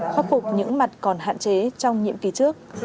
khắc phục những mặt còn hạn chế trong nhiệm kỳ trước